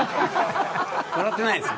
笑ってないです。